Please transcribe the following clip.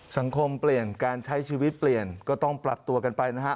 เปลี่ยนการใช้ชีวิตเปลี่ยนก็ต้องปรับตัวกันไปนะฮะ